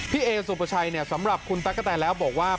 เอสุปชัยสำหรับคุณตั๊กกะแตนแล้วบอกว่า